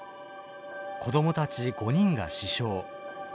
子どもたち５人が死傷。